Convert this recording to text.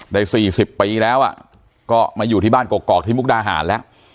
ได้๔๐ปีแล้วก็มาอยู่ที่บ้านกอกที่มุกดาหารแล้ว